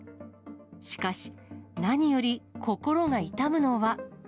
しかし、何より心が痛むのは。